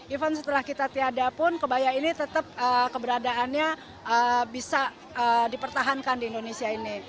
even setelah kita tiada pun kebaya ini tetap keberadaannya bisa dipertahankan di indonesia ini